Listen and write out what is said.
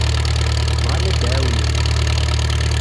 Bɣan ad d-εawnen.